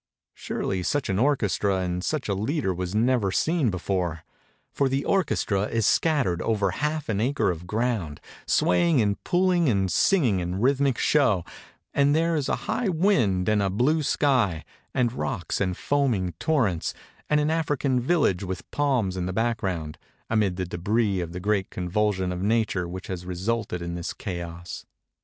Surely such an orchestra and such a leader was never seen before. For the orchestra is scattered over half an acre of ground, swaying and pulling and singing in rhythmic show, and there is a liigh wind and a blue sky, and rocks and foaming torrents, and an African vil lage with palms in the background, amid the debris of the great convulsion of nature which has resulted in this chaos.